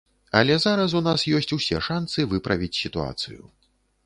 Але зараз у нас ёсць усе шанцы выправіць сітуацыю.